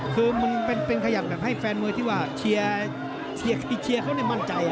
คือมันเป็นขยับแบบให้แฟนมวยที่ว่าเชียร์เขามั่นใจ